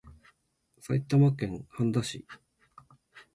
埼玉県蓮田市